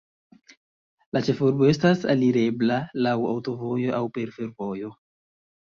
La ĉefurbo estas alirebla laŭ aŭtovojo aŭ per fervojo.